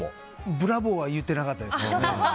ブラボーは言ってなかったですね。